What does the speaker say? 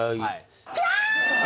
キャー！